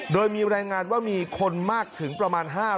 โดยมีรายงานว่ามีคนมากถึงประมาณ๕คน